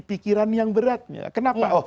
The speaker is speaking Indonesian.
pikiran yang berat kenapa